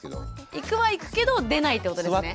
行くは行くけど出ないってことですね。